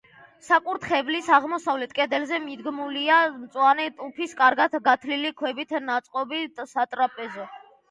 საკურთხევლის აღმოსავლეთ კედელზე მიდგმულია მწვანე ტუფის კარგად გათლილი ქვებით ნაწყობი სატრაპეზო.